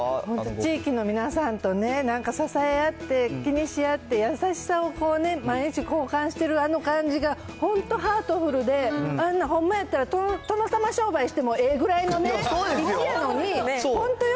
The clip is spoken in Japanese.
地域の皆さんとね、なんか支え合って、気にし合って、優しさをこうね、毎日交換してる、あの感じが、本当ハートフルで、あんな、ほんまやったら殿様商売してもええぐらいのもんやのに、本当、よ